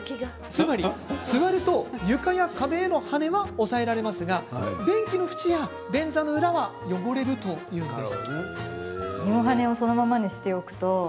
つまり、座ると床や壁への跳ねは抑えられますが便器の縁や便座の裏は汚れるというのです。